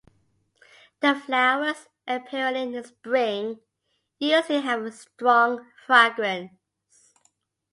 The flowers, appearing in spring, usually have a strong fragrance.